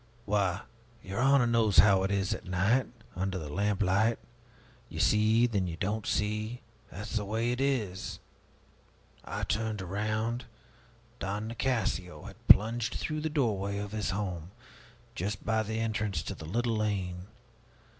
Why, your honor knows how it is at night, under the lamplight. You see and then you don't see that's the way it is. I turned around Don Nicasio had plunged through the doorway of his home just by the entrance to the little lane.